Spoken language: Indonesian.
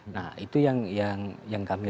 nah itu yang kami